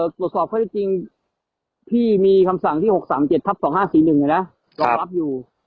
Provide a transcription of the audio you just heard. ตรวจสอบข้อได้จริงที่มีคำสั่งที่๖๓๗ทับ๒๕๔๑รองรับอยู่